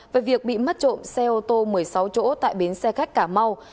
về việc bị mất trộm xe ô tô một mươi sáu chỗ tại bến xe khách cà mau